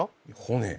骨